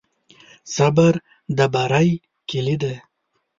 صبر د بری کلي ده.